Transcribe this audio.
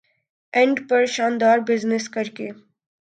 and پر شاندار business کرکے